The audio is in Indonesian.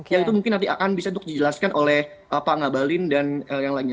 yang itu mungkin nanti akan bisa untuk dijelaskan oleh pak ngabalin dan yang lainnya